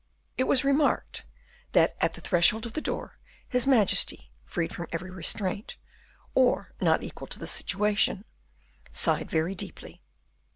It was remarked, that at the threshold of the door, his majesty, freed from every restraint, or not equal to the situation, sighed very deeply.